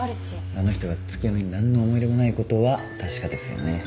あの人が月夜野に何の思い入れもないことは確かですよね。